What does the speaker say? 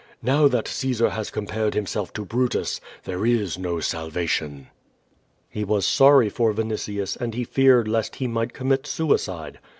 *^Now that Caesar has compared himself to Brutus, there is no salvation." He was sorry for Vinitius, and he feared lest he might commit suicide.